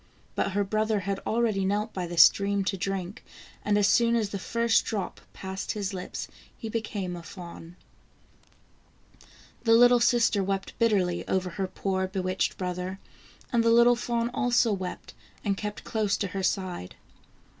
But her brother had already knelt by the stream to drink, and as soon as the first drop passed his lips he became a fawn. The little sister wept bitterly over her poor bewitched brother, and the little fawn also wept, and kept close to her side.